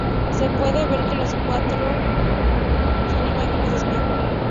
Se puede ver que los cuartos son imágenes de espejo.